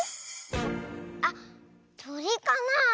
あっとりかな？